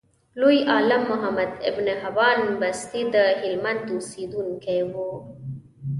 لوی عالم محمد ابن حبان بستي دهلمند اوسیدونکی و.